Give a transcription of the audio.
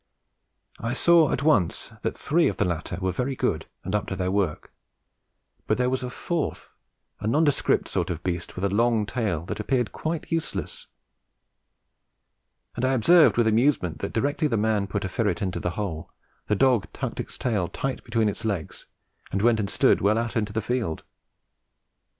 I saw at once that three of the latter were very good and up to their work; but there was a fourth, a nondescript sort of beast with a long tail, that appeared quite useless; and I observed with amusement that directly the man put a ferret into a hole, the dog tucked its tail tight between its legs and went and stood well out in the field.